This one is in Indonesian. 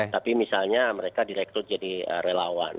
tapi misalnya mereka direkrut jadi relawan